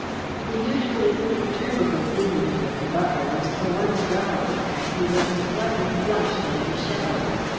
The usually imperturbable dignity of the butler was for once ruffled, and he looked slightly flushed and dishevelled.